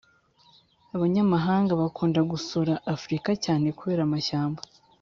Abanyamahanga bakunda gusura Africa cyane kubera amashyamba